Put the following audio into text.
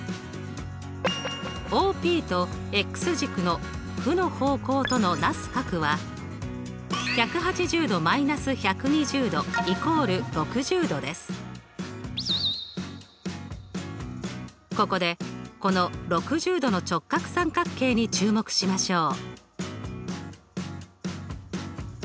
ＯＰと軸の負の方向とのなす角はここでこの６０°の直角三角形に注目しましょう。